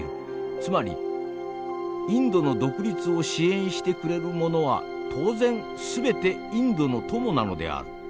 つまりインドの独立を支援してくれるものは当然全てインドの友なのである」。